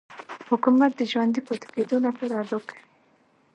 حکومت د ژوندي پاتې کېدو لپاره دا کوي.